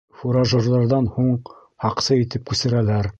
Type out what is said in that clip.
Фуражерҙарҙан һуң һаҡсы итеп күсерәләр.